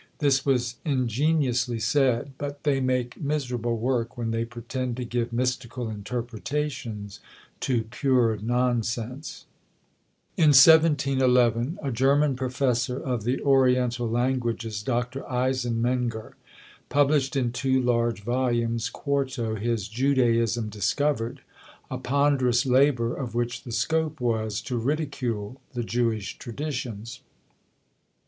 This was ingeniously said; but they make miserable work when they pretend to give mystical interpretations to pure nonsense. In 1711, a German professor of the Oriental languages, Dr. Eisenmenger, published in two large volumes quarto, his "Judaism Discovered," a ponderous labour, of which the scope was to ridicule the Jewish traditions.